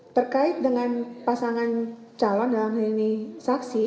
terkait dengan pasangan calon dalam hal ini saksi